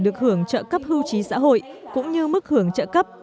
được hưởng trợ cấp hưu trí xã hội cũng như mức hưởng trợ cấp